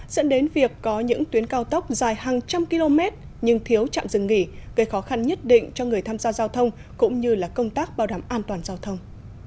dẫn đến việc có những tuyến cao tốc dài hàng trăm km nhưng thiếu trạm dừng nghỉ gây khó khăn nhất định cho người tham gia giao thông cũng như là công tác bảo đảm an toàn giao thông